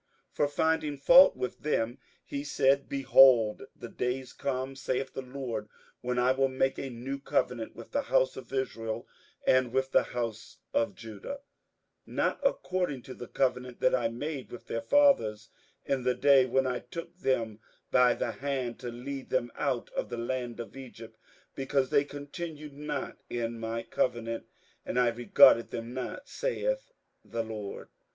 58:008:008 For finding fault with them, he saith, Behold, the days come, saith the Lord, when I will make a new covenant with the house of Israel and with the house of Judah: 58:008:009 Not according to the covenant that I made with their fathers in the day when I took them by the hand to lead them out of the land of Egypt; because they continued not in my covenant, and I regarded them not, saith the Lord.